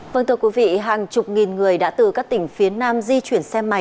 vâng thưa quý vị hàng chục nghìn người đã từ các tỉnh phía nam di chuyển xe máy để về quê